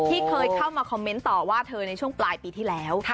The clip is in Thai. ที่เคยเข้ามาคอมเมนต์ต่อว่าเธอในช่วงปลายปีที่แล้ว